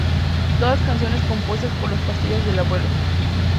Todas canciones compuestas por Las Pastillas del Abuelo